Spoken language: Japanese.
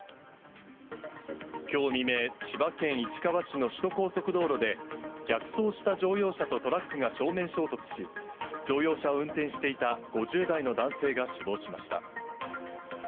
きょう未明、千葉県市川市の首都高速道路で、逆走した乗用車とトラックが正面衝突し、乗用車を運転していた５０代の男性が死亡しました。